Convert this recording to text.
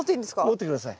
持って下さい。